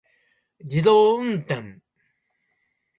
自動運転